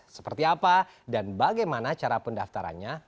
seperti apa dan bagaimana cara pendaftarannya